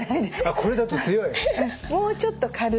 これだと強い？